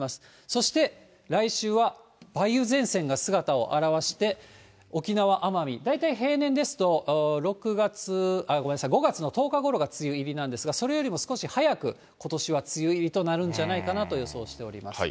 そして来週は梅雨前線が姿を現して、沖縄・奄美、大体平年ですと６月、ごめんなさい、５月の１０日ごろが梅雨入りなんですが、それよりも少し早くことしは梅雨入りとなるんじゃないかなと予想しております。